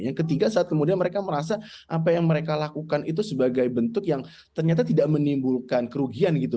yang ketiga saat kemudian mereka merasa apa yang mereka lakukan itu sebagai bentuk yang ternyata tidak menimbulkan kerugian gitu